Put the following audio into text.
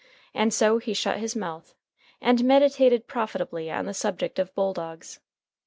And so he shut his mouth, and meditated profitably on the subject of bull dogs.